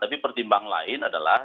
tapi pertimbangan lain adalah